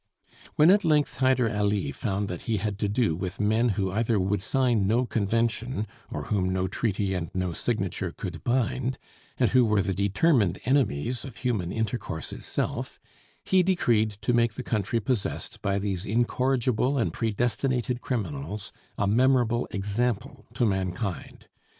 When at length Hyder Ali found that he had to do with men who either would sign no convention, or whom no treaty and no signature could bind, and who were the determined enemies of human intercourse itself, he decreed to make the country possessed by these incorrigible and predestinated criminals a memorable example to mankind.